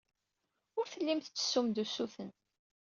Ur tellim tettessum-d usuten.